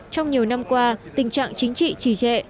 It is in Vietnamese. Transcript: trong nhiều năm qua tình trạng chính trị trì trệ